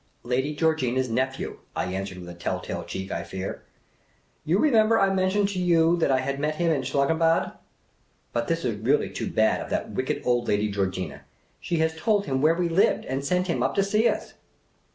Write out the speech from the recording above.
" Lady Georgina's nephew," I answered, with a telltale cheek, I fear. " You remember I mentioned to you that I had met him at Schlangenbad. But this is really too bad of that wicked old Lady Georgina. She has told him where we lived and sent him up to see us."